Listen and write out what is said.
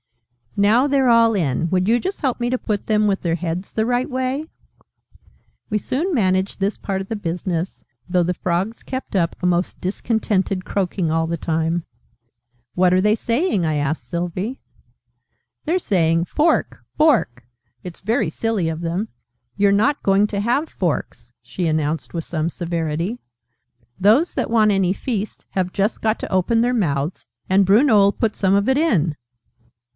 Now they're all in. Would you just help me to put them with their heads the right way?" We soon managed this part of the business, though the Frogs kept up a most discontented croaking all the time. "What are they saying?" I asked Sylvie. "They're saying 'Fork! Fork!' It's very silly of them! You're not going to have forks!" she announced with some severity. "Those that want any Feast have just got to open their mouths, and Bruno 'll put some of it in!"